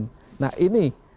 nah ini dinamika antara kreatifitas